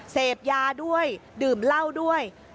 เสพยาด้วยดื่มเหล้าด้วย